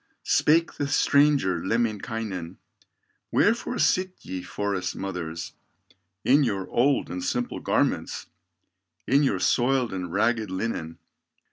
Spake the stranger Lemminkainen: "Wherefore sit ye, forest mothers, In your old and simple garments, In your soiled and ragged linen?